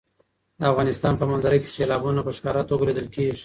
د افغانستان په منظره کې سیلابونه په ښکاره توګه لیدل کېږي.